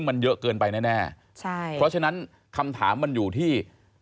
เพราะฉะนั้นคำถามมันอยู่ที่